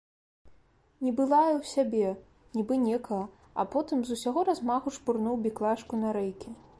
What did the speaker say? Нібы лаяў сябе, нібы некага, а потым з усяго размаху шпурнуў біклажку на рэйкі.